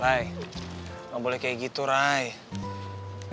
raya gak boleh kayak gitu raya